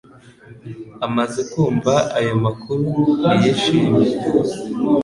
Amaze kumva ayo makuru, ntiyishimye